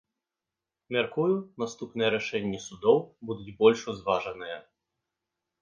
Мяркую, наступныя рашэнні судоў будуць больш узважаныя.